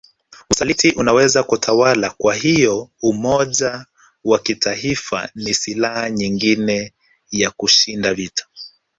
Usaliti unaweza kutawala kwahiyo umoja wa kitaifa ni silaha nyingine ya kushinda vita